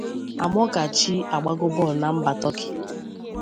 Amokachi agbago bọọlụ na mba Tọki